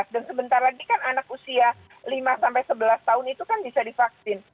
dan sebentar lagi kan anak usia lima sampai sebelas tahun itu kan bisa divaksin